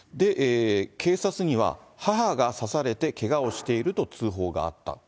警察には、母が刺されてけがをしていると通報があった。